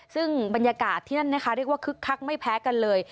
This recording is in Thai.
ซึ่งบรรยากาศที่นั่นนะคะเรียกว่าคึกคักไม่แพ้กันเลย